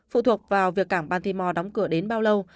phụ thuộc vào việc cảng bantimore đóng cửa đến bao lâu